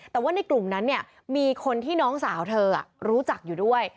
แต่ว่าในกลุ่มนั้นเนี่ยมีคนที่น้องสาวเธอรู้จักอยู่ด้วย